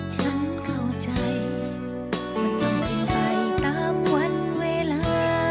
ฉันเข้าใจมันต้องไม่ไปตามวันเวลา